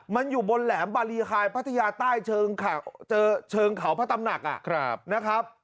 มันอยู่บนแหลมบารีไฮพัทยาใต้เชิงเขาพระตำหนักนะครับ